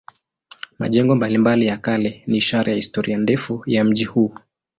Majengo mbalimbali ya kale ni ishara ya historia ndefu ya mji huu.